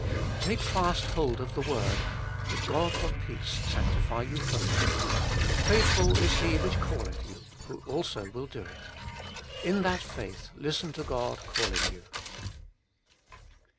3. Tahe fast hold of the word: 'The God of peace sanctify you wholly: faithful is He which calleth you, who also will do It. 1 In that faith listen to God calling you.